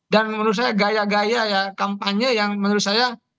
dan menurut saya gaya gaya ya kampanye yang menurut saya